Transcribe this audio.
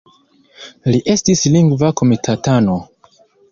Li estis Lingva Komitatano.